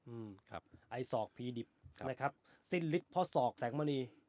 อืมครับไอ้ศอกพีดิบนะครับสิ้นฤทธิเพราะศอกแสงมณี